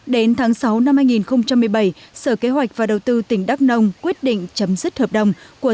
đến tháng sáu năm hai nghìn một mươi bảy sở kế hoạch và đầu tư tỉnh đắk nông quyết định chấm dứt hợp đồng của